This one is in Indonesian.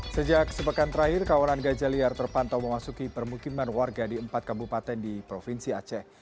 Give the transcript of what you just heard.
sejak sepekan terakhir kawanan gajah liar terpantau memasuki permukiman warga di empat kabupaten di provinsi aceh